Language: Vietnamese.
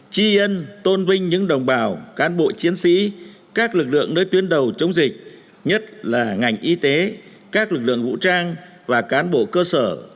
chi ân tôn vinh những đồng bào cán bộ chiến sĩ các lực lượng nơi tuyến đầu chống dịch nhất là ngành y tế các lực lượng vũ trang và cán bộ cơ sở